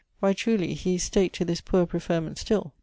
Why, truly, he is stak't to this poor preferment still!